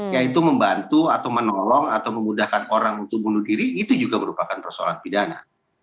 yaitu membantu atau menolong atau memudahkan orang untuk bunuh diri itu juga merupakan persoalan pidana